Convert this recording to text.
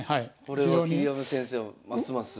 これは桐山先生もますます。